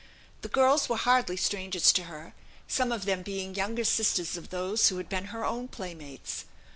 The girls were hardly strangers to her, some of them being younger sisters of those who had been her own playmates.